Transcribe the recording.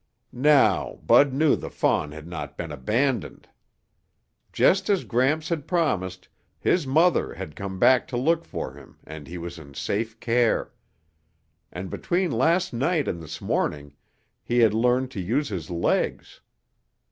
Now, Bud knew the fawn had not been abandoned. Just as Gramps had promised, his mother had come back to look for him and he was in safe care. And between last night and this morning, he had learned to use his legs.